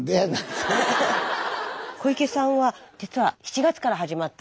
小池さんは実は７月から始まった。